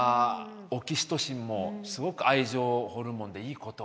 オキシトシンもすごく愛情ホルモンでいいこと。